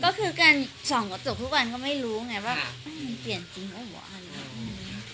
ก็คือการส่องกับส่งทุกวันก็ไม่รู้ไงว่าเปลี่ยนจริงหรือเปลี่ยนมาก